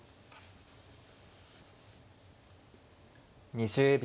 ２０秒。